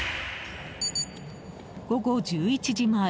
午後１１時前。